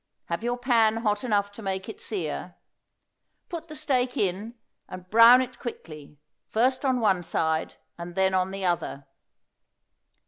Have your pan hot enough to make it sear. Put the steak in and brown it quickly, first on one side and then on the other.